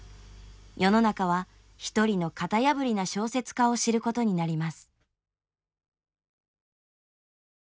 世の中は一人の型破りな小説家を知ることになります。